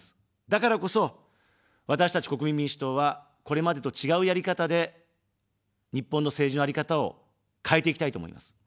だからこそ、私たち国民民主党は、これまでと違うやり方で日本の政治のあり方を変えていきたいと思います。